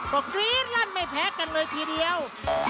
ก็กรี๊ดลั่นไม่แพ้กันเลยทีเดียว